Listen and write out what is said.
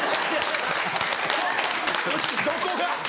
どこが？